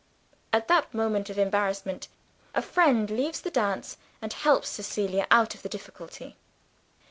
At that moment of embarrassment, a friend leaves the dance, and helps Cecilia out of the difficulty.